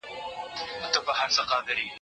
پاچا مړ وو دوى وه خلك رابللي